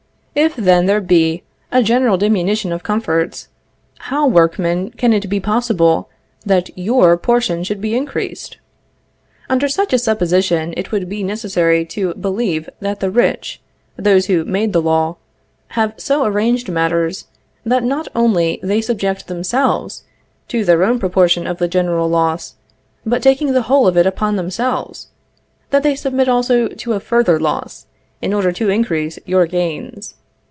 If, then, there be a general diminution of comforts, how, workmen, can it be possible that your portion should be increased? Under such a supposition, it would be necessary to believe that the rich, those who made the law, have so arranged matters, that not only they subject themselves to their own proportion of the general loss, but taking the whole of it upon themselves, that they submit also to a further loss, in order to increase your gains.